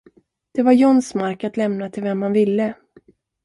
Det var Johns mark att lämna till vem han ville.